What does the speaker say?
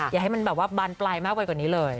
อย่าให้มันแบบว่าบานปลายมากไปกว่านี้เลย